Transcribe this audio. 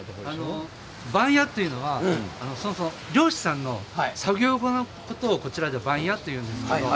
番屋というのは漁師さんの作業場のことをこちらでは番屋と言っています。